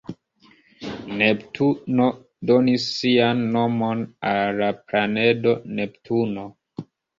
Neptuno donis sian nomon al la planedo Neptuno.